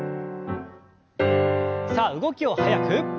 さあ動きを速く。